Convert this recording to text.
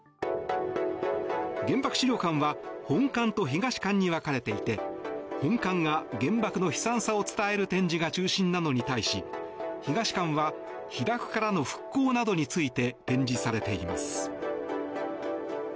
原爆資料館は本館と東館に分かれていて本館が原爆の悲惨さを伝える展示が中心なのに対し東館は被爆からの復興などについて展示されています。